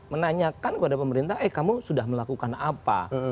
menanyakan kepada pemerintah eh kamu sudah melakukan apa